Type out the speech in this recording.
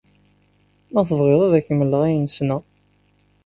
Ma tebɣiḍ ad ak-mmleɣ ayen ssneɣ.